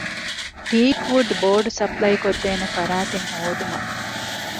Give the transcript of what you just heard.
ޓީކް ވުޑް ބޯޑް ސަޕްލައިކޮށްދޭނެ ފަރާތެއް ހޯދުމަށް